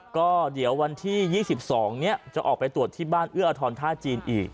ก็เดี๋ยววันที่๒๒นี้จะออกไปตรวจที่บ้านเอื้ออทรท่าจีนอีก